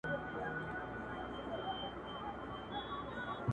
رڼو اوبو ګلاب ته رنګ ورخېژولی نه دی